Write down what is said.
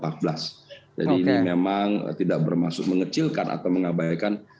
jadi ini memang tidak bermaksud mengecilkan atau mengabaikan